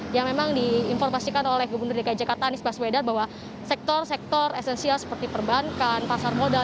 yang memang diinformasikan oleh gubernur dki jakarta anies baswedan bahwa sektor sektor esensial seperti perbankan pasar modal